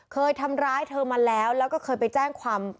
เคยทำร้ายเธอมาแล้วแล้วก็เคยไปแจ้งความ